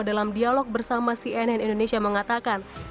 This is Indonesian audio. dalam dialog bersama cnn indonesia mengatakan